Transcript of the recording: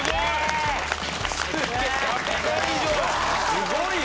すごいよ！